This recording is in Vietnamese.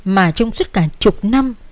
mà trong suốt cả chục năm